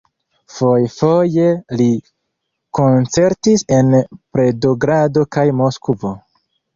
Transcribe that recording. Fojfoje li koncertis en Petrogrado kaj Moskvo.